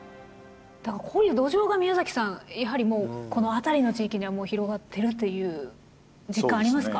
こういう土壌が宮さんやはりこの辺りの地域では広がっているという実感ありますか？